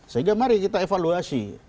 sehingga mari kita evaluasi